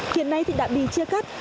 kiện này thì đã bị chia cắt